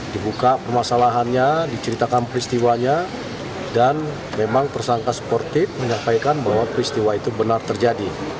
dibuka permasalahannya diceritakan peristiwanya dan memang tersangka sportif menyampaikan bahwa peristiwa itu benar terjadi